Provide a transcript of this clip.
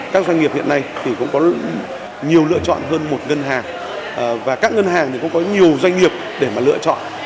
các doanh nghiệp hiện nay cũng có nhiều lựa chọn hơn một ngân hàng và các ngân hàng cũng có nhiều doanh nghiệp để lựa chọn